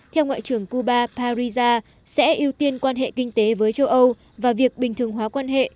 theo ngoại trưởng cuba parisa sẽ ưu tiên quan hệ kinh tế với châu âu và việc bình thường hóa quan hệ